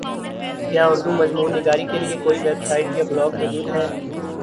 کیا اردو مضمون نگاری کیلئے کوئ ویبسائٹ یا بلاگ موجود ہے